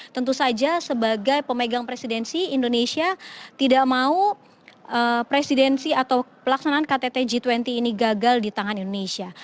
tentu saja sebagai pemegang presidensi indonesia tidak mau presidensi atau pelaksanaan ktt g dua puluh ini gagal di tangan indonesia